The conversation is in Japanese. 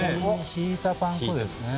ひいたパン粉ですね